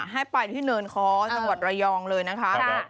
ให้ไปที่เนินค้อจังหวัดระยองเลยนะคะ